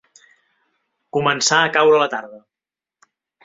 Començar a caure la tarda.